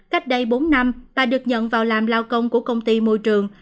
cách đây bốn năm bà được nhận vào làm lao công của công ty môi trường